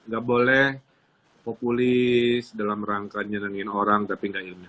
gak boleh populis dalam rangka nyenengin orang tapi gak ilmiah